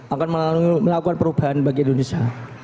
akan melakukan perubahan bagi indonesia